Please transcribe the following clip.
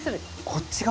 こっち側？